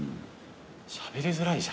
しゃべりづらいじゃん。